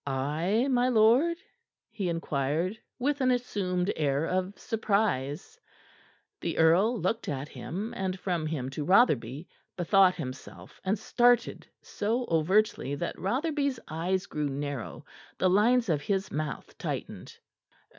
"I, my lord?" he inquired, with an assumed air of surprise. The earl looked at him, and from him to Rotherby, bethought himself, and started so overtly that Rotherby's eyes grew narrow, the lines of his mouth tightened.